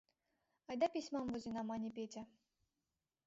— Айда письмам возена, — мане Петя.